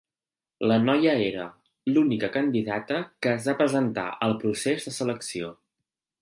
La noia era l’única candidata que es va presentar al procés de selecció.